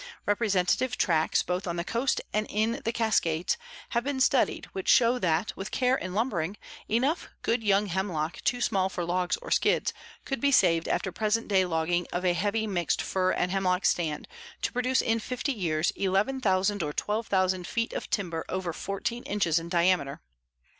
Representative tracts, both on the coast and in the Cascades, have been studied which showed that, with care in lumbering, enough good young hemlock too small for logs or skids could be saved after present day logging of a heavy mixed fir and hemlock stand to produce in fifty years 11,000 or 12,000 feet of timber over 14 inches in diameter.